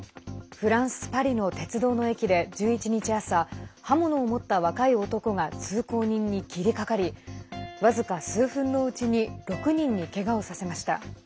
フランス・パリの鉄道の駅で１１日、朝刃物を持った若い男が通行人に切りかかり僅か数分のうちに６人にけがをさせました。